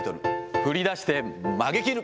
振り出して曲げきる。